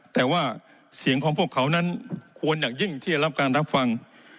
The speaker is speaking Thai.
แต่ว่าเสียงของพวกเขานั้นควรอย่างยิ่งที่จะรับการรับฟัง